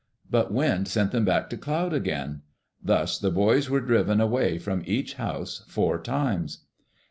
But Wind sent them back to Cloud again. Thus the boys were driven away from each house four times.